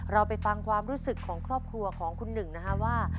เราไปฟังความรู้สึกของครอบครัวของคุณหนึ่งนะฮะว่า